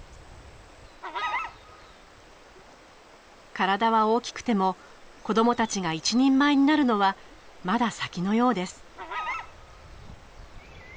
体は大きくても子どもたちが一人前になるのはまだ先のようです。